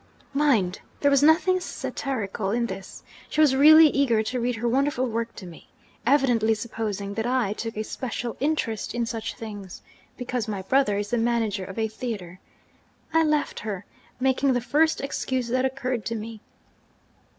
Mind! there was nothing satirical in this. She was really eager to read her wonderful work to me evidently supposing that I took a special interest in such things, because my brother is the manager of a theatre! I left her, making the first excuse that occurred to me.